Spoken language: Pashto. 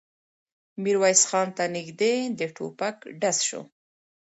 ميرويس خان ته نږدې د ټوپک ډز شو.